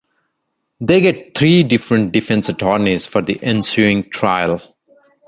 They get three different defense attorneys for the ensuing trial.